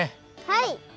はい！